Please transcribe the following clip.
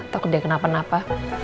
takut dia kenapa napa